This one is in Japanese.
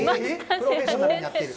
プロフェッショナルになってる？